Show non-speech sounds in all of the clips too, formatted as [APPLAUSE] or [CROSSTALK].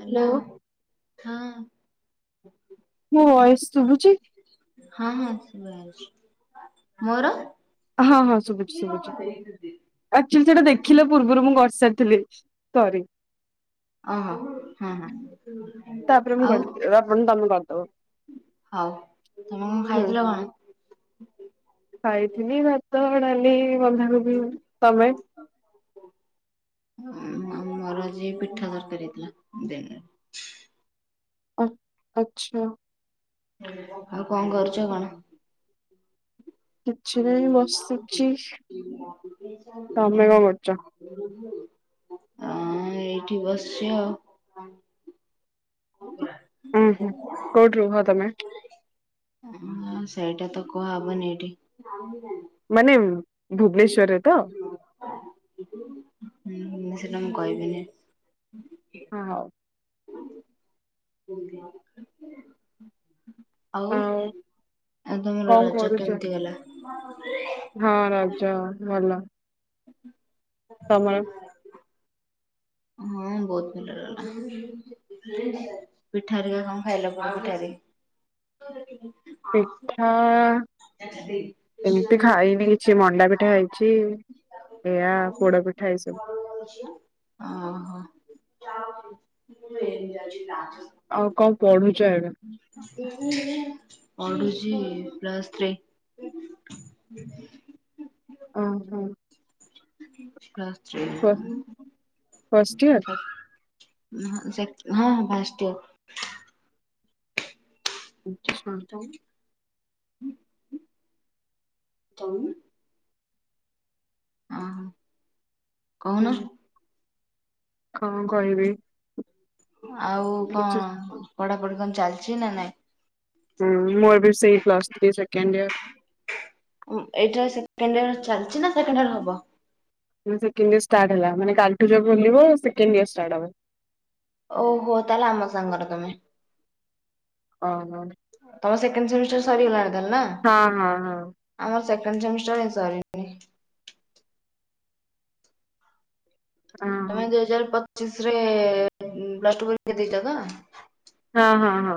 Hello hello ହଁ। ମୋ voice ଶୁଭୁଚି। ହଁ ହଁ ଶିଭାଯାଉଚି ମୋର? ହଁ ହଁ ଶୁଭୁଚି ଶୁଭୁଚି ଆକଚୁଲି ସେଟା ଦେଖିଲେ ପୂର୍ବରୁ ମୁଁ ଗଢ଼ିସାରିଥିଲି ସରି। ଓହୋ ହଁ ହଁ। ତାପରେ ମୁଁ ଆଉ ଗଢିଥି [UNINTELLIGIBLE] ତମୁ [UNINTELLIGIBLE] ହଉ ତମେ କଣ ହୁଁ। ଖାଇଥିଲ କଣ ଖାଇଥିଲି ଭାତ, ଡାଲି, ବନ୍ଧାକୋବି ତମେ? ଆଉ ମୋର ଆଜି ପିଠା ତରକାରୀ ହେଇଥିଲା ଦିନରେ। ଆ ଆଚ୍ଛା। ଆଉ କଣ କରୁଚ କଣ? କିଛି ନାହିଁ ବସିଛି। ହୁଁ। ତମେ କଣ କରୁଛ ଆଁ ଏଇଠି ବସଚି ଆଉ। ହଁ ପରା। ଉଁ ହୁଁ କୋଉଠି ରୁହ ତମେ? ଅଁହଁ ସେଇଟା ତ କୁହାହବନି ଏଇଠି। ମାନେ ଭୁବନେଶ୍ଵରରେ ତ? ହଁ ସେଟା ମୁଁ କହିବିନି। ହଁ ହଉ। [UNINTELLIGIBLE] ଆଉ ଆ ତମର କଣ ରଜ କରୁଛ? କେମିତି ଗଲା? ହଁ ରଜ ଭଲ। ହଁ। ତମର ହଁ ବହୁତ ଭଲ ଲାଗେ। ପିଠା ହେରିକା କଣ ଖାଇଲ ବାହୁଡ଼ାରେ? ପିଠା [UNINTELLIGIBLE] ଏମିତି ଖାଇନି କିଛି ମଣ୍ଡା ପିଠା ହେଇଚି। ଏୟା ପୋଡ ପିଠା ଏଇ ସବୁ। ତମ ଝିଅ ଓ ହ! ଆଉ କଣ ପଢୁଛ ଏବେ? ପଢୁଛି ପ୍ଲଶ୍ ଥ୍ରୀ। ଓହୋ [UNINTELLIGIBLE] ଫ ଫଷ୍ଟ ଇୟର? ହଁ ସେକ୍ ହଁ ଫାଷ୍ଟ୍ ଇଅର୍। ଆଚ୍ଛା। [UNINTELLIGIBLE] ଓହୋ କହୁନ। ହୁଁ କଣ କହିବି? ଆଉ କିଛି କଣ ପଢାପଢି କଣ ଚାଲିଛି ନା ନାଇଁ? ହୁଁ ମୋର ବି ସେଇ ପ୍ଲସ ତ୍ରି ସେକେଣ୍ଡ ଇୟର। ଉଁ ଏଇଟା ସେକେଣ୍ଡ ଇଅର ଚାଲିଛି ନା ସେକେଣ୍ଡ ଇୟର୍ ହବ? ସେକେଣ୍ଡ ଇୟର୍ ଷ୍ଟାର୍ଟ ହେଲା ମାନେ କାଲିଠୁ ଯଉ ଖୋଲିବ ସେକେଣ୍ଡ ଇୟର୍ ଷ୍ଟାର୍ଟ ହବ। ଓହୋ ତାହେଲେ ଆମ ସାଙ୍ଗର ତମେ। ଓହୋ। ତମ ସେକେଣ୍ଡ ସେମିଷ୍ଟର ସରିଗଲାଣି ତାହେଲେ ନା? ହଁ ହଁ ହଁ। ଆମର ସେକେଣ୍ଡ ସେମିଷ୍ଟାର ହେଁ ସରି ହଁ ହଁ ତମେ ଦୁଇ ହଜାର ପଚିଶରେ ପ୍ଲଶ୍ ଟୁ ପରୀକ୍ଷା ଦେଇଛ ତ? ହଁ ହଁ ହଁ।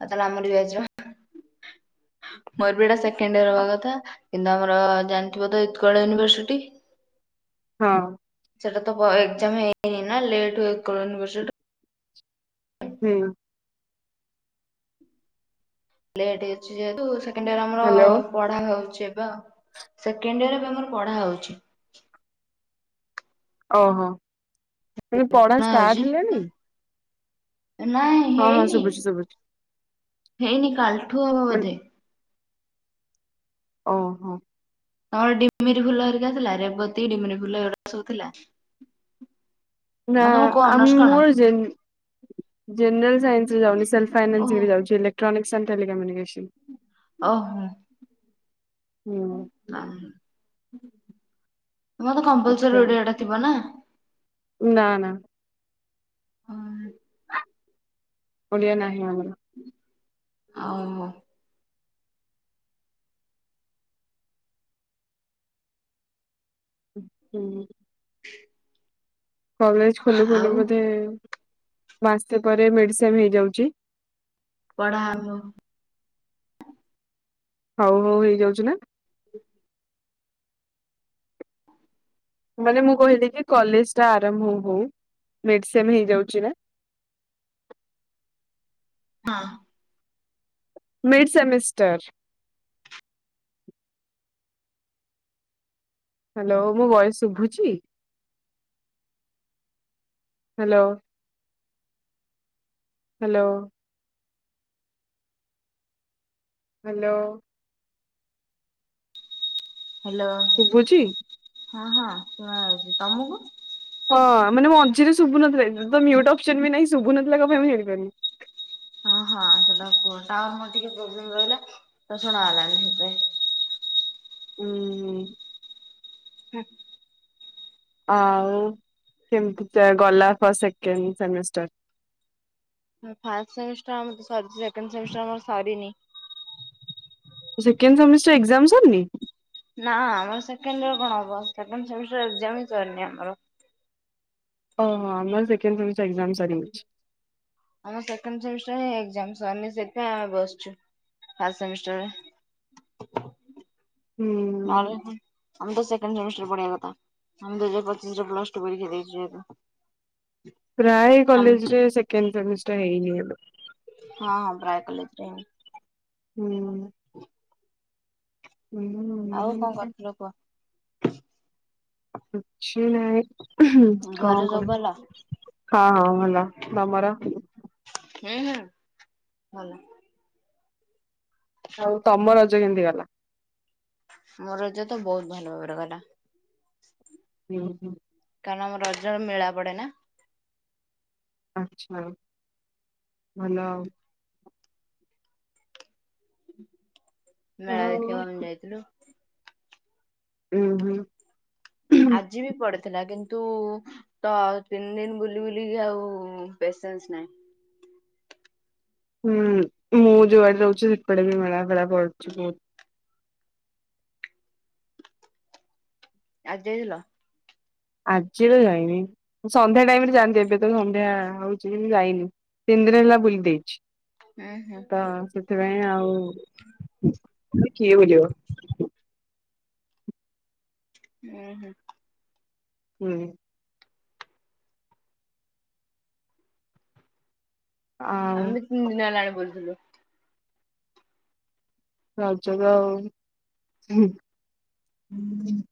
ଆଉ ତାହେଲେ ଆମରି ବ୍ୟାଚ୍ ର। ମୋର ବି ଏଟା ସେକେଣ୍ଡ ଇୟର ହବା କଥା କିନ୍ତୁ ଆମର ଜାଣିଥିବ ତ ଉତ୍କଳ ୟୁନିଭର୍ସିଟି ହଁ। ସେଇଟା ତ ଭ ଏକ୍ଜାମ ହେଇନି ନା ଲେଟ୍ ହୁଏ ଉତ୍କଳ ୟୁନିଭର୍ଶିଟିରେ। ହୁଁ। ଲେଟ୍ ହେଉଛି ଯେହେତୁ ସେକେଣ୍ଡ ଇୟର୍ ଆମର ହ୍ୟାଲୋ। ପଢ଼ା ହଉଛି ଏବେ ଆଉ ସେକେଣ୍ଡ ଇୟର ଏବେ ଆମର ପଢ଼ା ହଉଛି। ଓହୋ ପଢା ଷ୍ଟାର୍ଟ ହେଲାଣି। ନାାଇଁ ହଁ ହଁ ଶୁଭୁଛି ଶୁଭୁଛି ହେଇନି କାଲିଠୁ ହବ ମାନେ ବୋଧେ। ଓହୋ। ତମର ଡିମିରି ଫୁଲ ହେରିକା ଥିଲା ରେବତୀ ଡିମିରି ଫୁଲ ଏଗୁଡା ସବୁ ଥିଲା। ନା ତମର କୋଉ ଆମ ଅନର୍ସ କଣ? ମୋର ଯେ ଜେନେରାଲ ସାଇନ୍ସରେ ଯାଉନି [UNINTELLIGIBLE] ଓହୋ ଫାଇନାନ୍ସରେ ଯାଉଛି [UNINTELLIGIBLE] ଓହୋ ହୁଁ ଆ ତମର ତ ଆଚ୍ଛା କମ୍ପଲସରୀ ଅଡିଓ ଟା ଥିବ ନା। ନା ନା ହ ପଡିଆ ନାହିଁ ଆମର। ହଉ ହୁଁ କଲେଜ ଖୋଲୁ ଖୋଲୁ ଆଉ ବୋଧେ ମାସେ ପରେ ମେଡ଼ିସିନ ହେଇଯାଉଛି। ପଢ଼ାହବ। ହଉ ହଉ ହେଇଯାଉଛି ନା। ମାନେ ମୁଁ କହିଲି କି କଲେଜ ଟା ଆରମ୍ଭ ହଉ ମେଡ଼ିସିନ ହେଇଯାଉଛି ନା। ହଁ ମିଡ଼୍ ସେମିଷ୍ଟର ହ୍ୟାଲୋ ମୁଁ ବୟସ ଶୁଭୁଛି ହ୍ୟାଲୋ। ହ୍ୟାଲୋ ହ୍ୟାଲୋ ହ୍ୟାଲୋ ଶୁଭୁଛି ହଁ ହଁ ଶୁଣାଉଛି। ତମକୁ? ହଁ ମାନେ ମଝିରେ ଶୁଭୁନଥିଲା କିଛି ତ ମ୍ୟୁଟ ଅପସନ ବି ନାହିଁ ଶୁଭୁନଥିଲା କଣ ପାଇଁ ମୁଁ ଜାଣିପାରୁନି। ହଁ ହଁ [UNINTELLIGIBLE] ଟାୱର ମୋର ଟିକେ ପ୍ରୋବଲେମ ରହିଲା ତ ଶୁଣା ହେଲାନି ସେଥିପାଇଁ। ହୁଁ ହୁଁ। ଆଉ କେମିତି ଗଲା first second semester? First semester ଆମର ସରିଛି ସେକେଣ୍ଡ ସେମିଷ୍ଟର ଆମର ସରିନି। ସେକେଣ୍ଡ ସେମିଷ୍ଟର ଏକ୍ଜାମ ସରିନି? ନା ଆମର ସେକେଣ୍ଡ ର କଣ ହବ ସେକେଣ୍ଡ ସେମିଷ୍ଟାର ଏକ୍ଜାମ ସରିନି ଆମର। ଓହୋ ଆମର ସେ ସେକେଣ୍ଡ ସେମିଷ୍ଟର ଏକ୍ଜାମ [UNINTELLIGIBLE] ଆମ ସେକଣ୍ଡ ସେମିଷ୍ଟର ଏକ୍ଜାମ ସରିନି ସେଟା ବସିଚୁ ଥାର୍ଡ ସେମିଷ୍ଟାର ହୁଁ ନହଲେ ନା ଆମ ତ ସେ ସେକେଣ୍ଡ ସେମିଷ୍ଟର ପଢିବା କଥା [UNINTELLIGIBLE] ପ୍ଲସ ଟୁ ପରୀକ୍ଷା ଦେଇଛୁ ଏବେ। ପ୍ରାୟ କଲେଜରେ ସେକେଣ୍ଡ ସେମିଷ୍ଟର ହେଇନି ଏବେ। ହଁଁ ପ୍ରାୟ କଲେଜରେ ହେଇନି। ହୁଁ ଆଉ କଣ ହୁଁ କରୁଥିଲ କୁହ? କିଛି ନାଇଁ। ଘରେ କଣ ସବୁ କଣ ଭଲ? ହଁ ହଁ ଭଲ। ତମର? ହୁଁ ହୁଁ ଭଲ। ଆଉ ତମ ରଜ କେମିତି ଗଲା? ମୋ ରଜ ତ ବହୁତ ଭଲ ଭାବରେ ଗଲା। ହୁଁ ହୁଁ। କାରଣ ଆମର ରଜ ମେଳା ପଡେନା। ଆଚ୍ଛା ଭଲ ଉଁ ଆଉ। ମେଳା ଆଉ ଦେଖିବାକୁ ଆମେ ଯାଇଥିଲୁ। ଉଁ ହୁଁ। ଆଜି ବି ପଡିଥିଲା କିନ୍ତୁ ତ ତିନି ଦିନ ବୁଲି ବୁଲିକି ଆଉ ପେସେନ୍ସ ନାହିଁ। ହୁଁ ମୁଁ ଯୋଉ ଆଡେ ରହୁଛି ସେପଟେ ବି ମେଳା ଫେଳା ପଡୁଛି ବହୁତ। ଆଜି ଯାଇଥିଲ? ଆଜି ତ ଯାଇନି ସନ୍ଧ୍ୟା ଟାଇମ୍ ରେ ଯାଆନ୍ତି ଏବେ ତ ସନ୍ଧ୍ୟା ହଉ ଛି କିନ୍ତୁ ଯାଇନି ତିନି ଦିନ ହେଲା ବୁଲି ଦେଇଛି। ଉଁ ହୁଁ। ତ ସେଥିପାଇଁ ଆଉ କିଏ ବୁଲିବ। ଉଁ ହୁଁ। ହୁଁ। ଆଉ ଆମେ ତିନି ଦିନ ହେଲାଣି ବୁଲୁଥିଲୁ। ରଜରେ ଆଉ ହୁଁ ହୁଁ।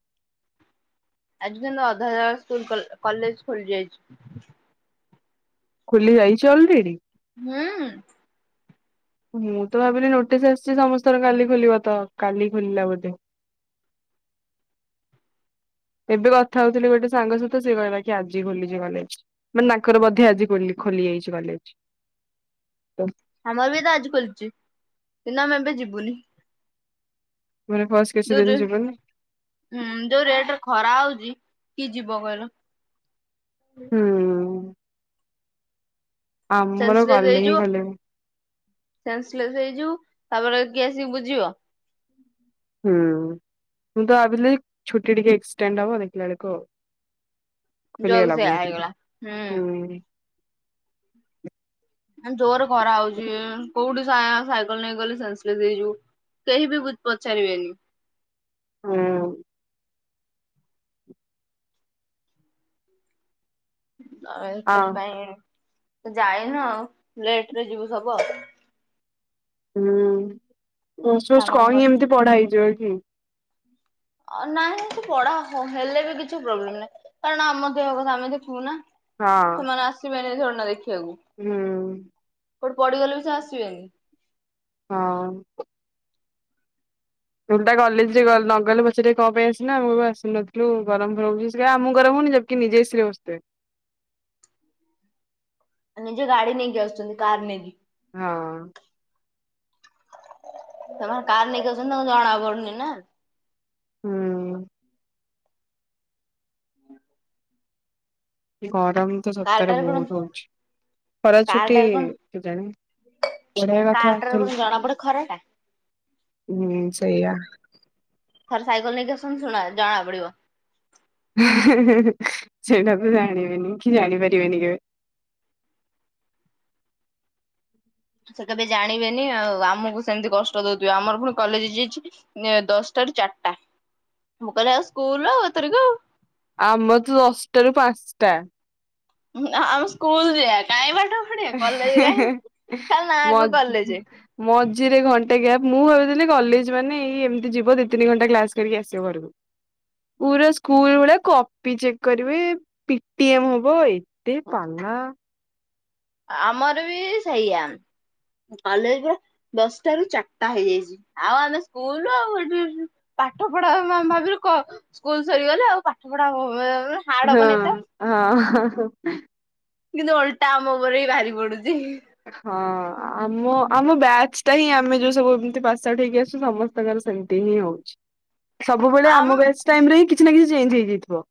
ଆଜି କିନ୍ତୁ ଅଧା ଅଧା ସ୍କୁଲ୍ କଲ କଲେଜ ଖୋଲି ଯାଇଛି। ଖୋଲି ଯାଇଛି ଅଲରେଡି? ହୁଁ। ମୁଁ ତ ଭାବିଲି ନୋଟିସ୍ ଆସିଛି ସମସ୍ତଙ୍କର କାଲି ଖୋଲିବ ତ କାଲି ଖୋଲିଲା ବୋଧେ? ଏବେ କଥା ହଉଥିଲି ଗୋଟେ ସାଙ୍ଗ ସହିତ ସିଏ କହିଲା କି ଆଜି ଖୋଲିଛି କଲେଜ। ମାନେ ତାଙ୍କର ବୋଧେ ଆଜି ଖୋଲି ଖୋଲିଯାଇଛି କଲେଜ। ତ ଆମର ବି ତ ଆଜି ଖୋଲିଛି କିନ୍ତୁ ଆମେ ଏବେ ଯିବୁନି। ମାନେ ଫାଷ୍ଟ୍ କିଛି ଦିନ ଯିବନି। ହୁଁ ଯୋଉ ରେଟ୍ ରେ ଖରା ହଉଛି କିଏ ଯିବ କହିଲ? ହୁଁ ଆମର କାଲି ହିଁ ଖୋଲିବ। ସେନ୍ସସ୍ଲେଶ୍ ହେଇଯିବୁ ତାପରେ କିଏ ଆସିକି ବୁଝିବ। ହୁଁ ମୁଁ ତ ଭାବିଲି ଛୁଟି ଟିକେ ଏକ୍ସଟେଣ୍ଡ ହବ ଦେଖିଲା ବେଳକୁ ଜୋକ୍ ଖୋଲିଗଲା ସେଇଆ ବହୁତ ଜଲ୍ଦି ହେଇଗଲା ହୁଁ। ଆଉ ଜୋରେ ଖରା ହଉଛି କୋଉଠି ସା ସାଇକେଲ ନେଇକି ଗଲେ ସେନ୍ସସ୍ଲେଶ୍ ହେଇଯିବୁ। କେହି ବି ପଚାରିବେନି। ହୁଁ। ଆଉ ଆ ସେଥିପାଇଁ ଯାଇନୁ ଆଉ ଲେଟ୍ ରେ ଯିବୁ ସବୁ ଆଉ। ହୁଁ ପୋଷ୍ଟ ଫୋଷ୍ଟ ସାଙ୍ଗମାନଙ୍କ କହି ଏମିତି ପଢା ହେଇଯିବ କି? ଅ ନାଇଁ ସେ ପଢା ହ ହେଲେ ବି କିଛି ପ୍ରୋବ୍ଲେମ୍ ନାହିଁ କାରଣ ଆମର ଦେହ କଥା ଆମେ ଦେଖିବୁ ନାଁ। ହଁ ସେମାନେ ଆସିବେନି ଥୋଡିନା ଦେଖିବାକୁ। ହୁଁ। କୋଉଠି ପଡିିଗଲେ ବି ସେ ଆସିବେନି। ହଁ। [INAUDIBLE] କଲେଜ ଗଲ ନ ଗଲେ ପଚାରିବେ କଣ ପାଇଁ ଆସିିନ ମୁଁ ବି ଆସୁନଥିଲୁ ଗରମର ରହୁଛି ସିଏ ଆମକୁ ଗରମ ହଉନି ଯେ କି ନିଜେ ଏସି ରେ ବସିଥିବେ। ଆ ନିଜେ ଗାଡି ନେଇକି ଆସୁଛନ୍ତି କାର୍ ନେଇକି। ହଁ। ତମର କାର ନେଇକି ଯାଉଛନ୍ତି ତାଙ୍କୁ ଜଣା ପଡୁନି ନା। ହୁଁ। ଗରମ ତ ସପ୍ତାହରେ କାରଟାରେ କଣ ବହୁତ ହଉଛି। ଖରା ଛୁଟି କାରଟାରେ କଣ ହେଲାଣି ବଢିଆ କଥା କାରଟାରେ ତାହାଲେ କଣ ଜଣା ପଡେ ଖରା ଟା ହୁଁ ସେୟା। ଥରେ ସାଇକେଲ ନେଇକି ଆସନ୍ତୁ ନା ଜଣା ପଡିବ। ସେଇଟା ତ ଜାଣିବେନି କି ଜାଣିପାରିବେନି କେବେ। ସେ କେବେ ଜାଣିବେନି ଆଉ ଆମକୁ ସେମିତି କଷ୍ଟ ଦଉଥିବେ ଆମର ପୁଣି କଲେଜ ଯାଇଛି। ଦଶଟା ରୁ ଚାରିଟା ମୁଁ କହିଲି ଆଉ ସ୍କୁଲ ଆଉଥରକୁ ଆଉ। ଆମର ତ ଦଶଟାରୁ ପାଞ୍ଚଟା। ଆମେ ସ୍କୁଲ ଯଆ କାଇଁ ପାଠ ପଢିବା କଲେଜ କାହିଁ ଖାଲି ମ ନାଁକୁ କଲେଜ ମଝିରେ ଘଣ୍ଟେ ଗ୍ୟାପ୍। ମୁଁ ଭାବିଥିଲି କଲେଜ ମାନେ ଏଇ ଏମିତି ଯିବ ଦି ତିନି ଘଣ୍ଟା କ୍ଲାସ କରିକି ଆସିବ। ପୁରା ସ୍କୁଲ ଭଳିଆ କପି ଚେକ୍ କରିବେ। ପି ଟି ଏମ ହବ ଏତେ ପାଲା। ଆମର ବି ସେଇଆ କଲେଜ ଦଶଟାରୁ ଚାରିଟା ହେଇଯାଇଛି। ଆଉ ଆମେ ସ୍କୁଲ [UNINTELLIGIBLE] ପାଠ ପଢା ଭାବ ସ୍କୁଲ ସରିଗଲେ ଆଉ ପାଠ ପଢା ହ ହଁ ହଁ। କିନ୍ତୁ ଓଲଟା ଆମ ଉପରେ ବି ଭାରି ପଡୁଛି। ହଁ ଆମ ଆମ ବ୍ୟାଚ୍ ଟା ହିଁ ଆମେ ଯୋଉ ସବୁ ଏମତି ପାସ ଆଉଟ ହେଇକି ଆସିଛୁ ସମସ୍ତେ ତାଙ୍କର ସେମିତି ହିଁ ହଉଛି। ସବୁବେଳେ ଆମ ବ୍ୟାଚ ଟାଇମରେ ହଁ କିଛି ନା କିଛି ଚେଞ୍ଜ ହେଇଯାଇଥିବ।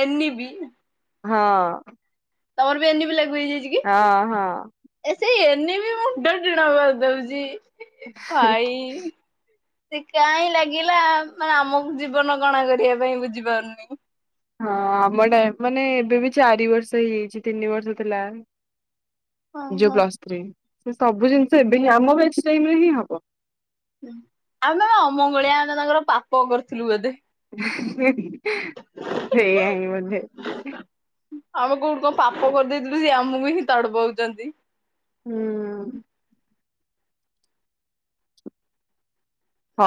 N E P. ହଁ। ତମର ବି ଏନ୍ ଇ ପି ଲାଗୁ ହେଇଯାଇଛି କି? ହଁ ହଁ। ଏ ସେଇ ଏନ୍ ଇ ପି ବି ମୁଣ୍ଡ ଟିଣ କରିଦଉଛି ଭାଇ। ସେ କାହିଁ ଲାଗିଲା ମାନେ ଆମକୁ ଜୀବନ କଣା କରିବା ପାଇଁ ବୁଝି ପାରୁନି। ହଁ ଆମ ଟାଇମ ମାନେ ଏବେ ବି ଚାରି ବର୍ଷ ହେଇଯାଇଛି ତିନି ବର୍ଷ ଥିଲା। ହଁ ଯୋଉ ହଁ। ପ୍ଲସତ୍ରି ସେ ସବୁ ଜିନିଷ ଏବେ ହିଁ ଆମ ବ୍ୟଚ ଟାଇମ୍ ରେ ହିଁ ହବ। ଆମେ ପା ଅମଙ୍ଗଳିଆ ଆମେ ତାଙ୍କର ପାପ କରିଥିଲୁ ବୋଧେ। ସେଇଆ ହିଁ ବୋଧେ। ଆମେ କୋଉଠି କଣ ପାପ କରିଦେଇଥିଲୁ ସିଏ ଆମକୁ ହିଁ ତଡ ପଉଛନ୍ତି। ହୁଁ।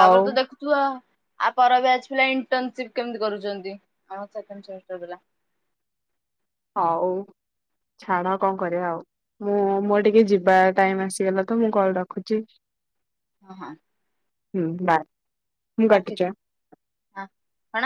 ତାପରେ ତ ଦେଖୁ ଆ ପର ବ୍ୟାଚ ପିଲା ଇଣ୍ଟନସିପ କେମିତି କରୁଛନ୍ତି। [INAUDIBLE] ହଉ ଛାଡ କଣ କରିବା ଆଉ। ମୁଁ ମୋର ଟିକେ ଯିବା ଟାଇମ ଆସିଗଲା ତ ମୁଁ କଲ ରଖୁଛି। ହଁ ହଁ। ହୁଁ ବାଏ ମୁଁ ରଖିଦେ [UNINTELLIGIBLE] ହଁ କଣ?